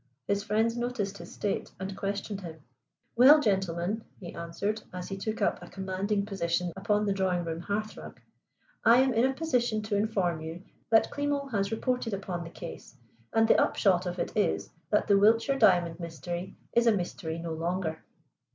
His friends noticed his state, and questioned him. "Well, gentlemen," he answered, as he took up a commanding position upon the drawing room hearth rug, "I am in a position to inform you that Klimo has reported upon the case, and the upshot of it is that the Wiltshire Diamond Mystery is a mystery no longer."